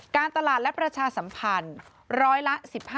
การตลาดและประชาสัมพันธ์ร้อยละ๑๕